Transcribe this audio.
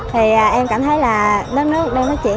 thì em cảm thấy là đất nước đang phát triển